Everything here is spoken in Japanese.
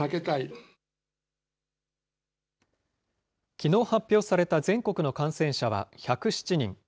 きのう発表された全国の感染者は１０７人。